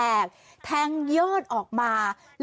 แล้วยอดของต้นมะพร้าวต้นนี้ดูคล้ายเสียญพญานาค